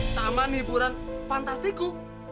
taman hiburan fantastiku